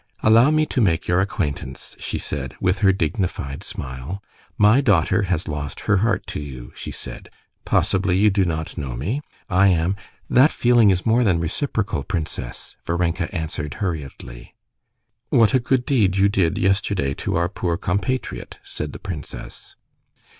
"Allow me to make your acquaintance," she said, with her dignified smile. "My daughter has lost her heart to you," she said. "Possibly you do not know me. I am...." "That feeling is more than reciprocal, princess," Varenka answered hurriedly. "What a good deed you did yesterday to our poor compatriot!" said the princess.